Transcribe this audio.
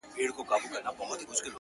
• اوس په لمانځه کي دعا نه کوم ښېرا کومه.